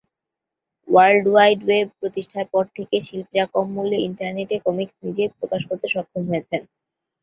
World wide web প্রতিষ্ঠার পর থেকে শিল্পীরা কম মূল্যে ইন্টারনেট এ কমিকস নিজেই প্রকাশ করতে সক্ষম হয়েছেন।